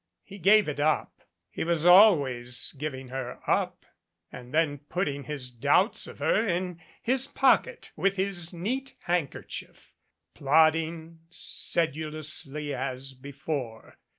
He gave it up. He was always giving her up and then putting his doubts of her in his pocket with his neat hand kerchief, plodding sedulously as before.